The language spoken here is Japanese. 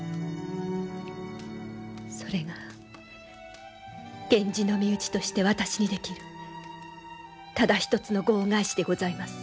それが源氏の身内として私にできるただ一つのご恩返しでございます。